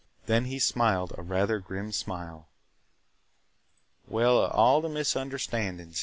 Then he smiled a rather grim smile. "Well, of all the misunderstandings!"